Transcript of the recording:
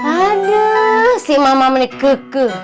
aduh si mama menikikikik